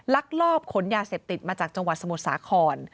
ลักลอบขนยาเสพติดมาจากจังหวัดสมุทรสาคร